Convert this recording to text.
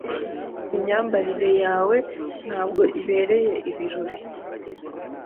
Imyambarire yawe ntabwo ibereye ibirori.